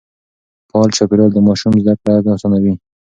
فعال چاپېريال د ماشوم زده کړه آسانوي.